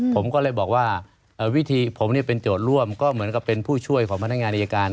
ผมก็เลยบอกว่าวิธีผมเป็นโจทย์ร่วมก็เหมือนกับเป็นผู้ช่วยของพนักงานอายการ